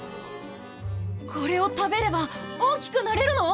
これを食べれば大きくなれるの？